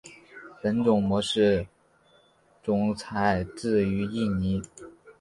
本种模式种采自于印尼。